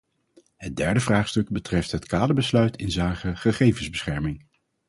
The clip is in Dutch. Het derde vraagstuk betreft het kaderbesluit inzake gegevensbescherming.